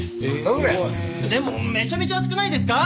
でもめちゃめちゃ熱くないですか！？